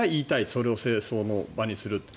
それを政争の場にする。